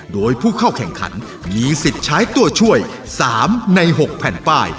โดยผู้เข้าแข่งขันมีสิทธิ์ใช้ตัวช่วย๓ใน๖แผ่นป้าย